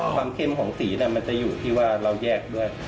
เข้มของสีมันจะอยู่ที่ว่าเราแยกด้วย